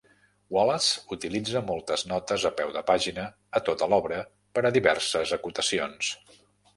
Wallace utilitza moltes notes a peu de pàgina a tota l'obra per a diverses acotacions.